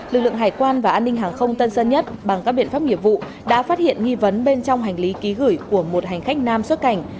lực lượng hải quan và an ninh hàng không tân sơn nhất bằng các biện pháp nghiệp vụ đã phát hiện nghi vấn bên trong hành lý ký gửi của một hành khách nam xuất cảnh